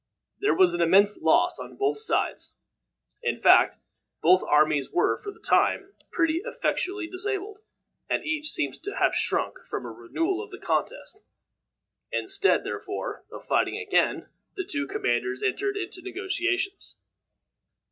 There was an immense loss on both sides. In fact, both armies were, for the time, pretty effectually disabled, and each seems to have shrunk from a renewal of the contest. Instead, therefore, of fighting again, the two commanders entered into negotiations.